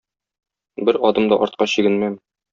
Бер адым да артка чигенмәм.